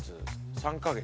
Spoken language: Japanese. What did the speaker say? ３か月？